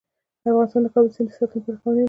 افغانستان د کابل سیند د ساتنې لپاره قوانین لري.